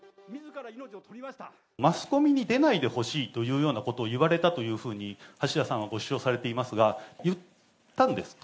マスコミに出ないでほしいというようなことを言われたというふうに、橋田さんはご主張されていますが、言ったんですか？